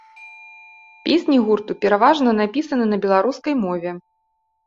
Песні гурту пераважна напісаны на беларускай мове.